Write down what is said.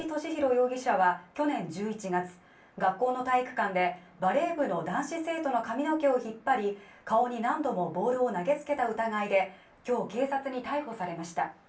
容疑者は去年１１月、学校の体育館でバレー部の男子生徒の髪の毛を引っ張り顔に何度もボールを投げつけた疑いで今日警察に逮捕されました。